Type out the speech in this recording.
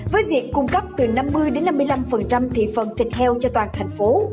với việc cung cấp từ năm mươi năm mươi năm thị phần thịt heo cho toàn thành phố